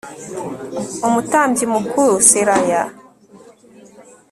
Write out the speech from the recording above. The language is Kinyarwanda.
umutambyi mukuru Seraya